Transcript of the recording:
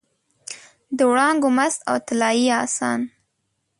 د وړانګو مست او طلايي اسان